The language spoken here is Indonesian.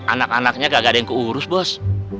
anak anaknya nggak ada yang keurus bos